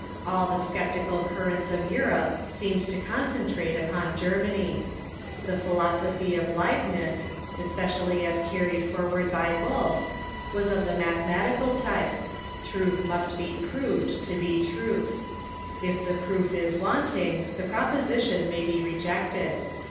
All the sce}>tical currents of Europe seemed to concentrate upon German}'. The philosopliy of Leibnitz, es The Sources of ..^.^ i.^nv as carried forward l>y Wolf, was of the Rationalism ^. J ' mathematical type — truth must be proved to be truth. If the proof is wanting, the proposition may be reject ed.